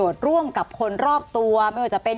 สวัสดีครับทุกคน